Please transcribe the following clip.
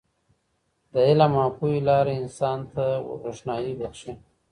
د علم او پوهې لاره انسان ته روښنايي بښي.